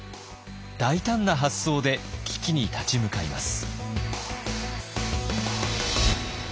大胆な発想で危機に立ち向かいます。